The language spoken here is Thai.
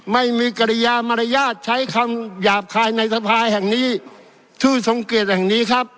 ไม่มีกริยามารยาทใช้คำหยาบคายในสภาแห่งนี้ชื่อทรงเกตแห่งนี้ครับ